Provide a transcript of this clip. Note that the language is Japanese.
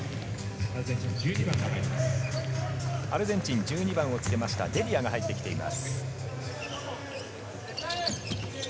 アルゼンチン１２番をつけましたデリアが入ってきています。